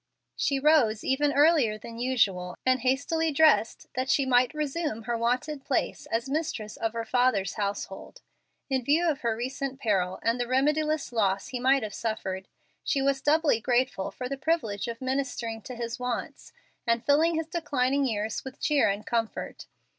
She rose even earlier than usual, and hastily dressed that she might resume her wonted place as mistress of her father's household. In view of her recent peril and the remediless loss he might have suffered, she was doubly grateful for the privilege of ministering to his wants and filling his declining years with cheer and comfort.